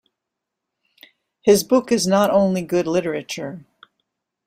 His book is not only good literature.